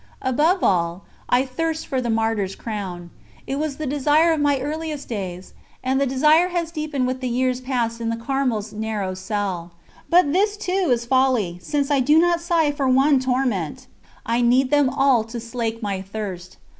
Above all, I thirst for the Martyr's crown. It was the desire of my earliest days, and the desire has deepened with the years passed in the Carmel's narrow cell. But this too is folly, since I do not sigh for one torment; I need them all to slake my thirst.